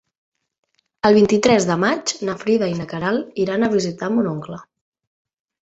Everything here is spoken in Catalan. El vint-i-tres de maig na Frida i na Queralt iran a visitar mon oncle.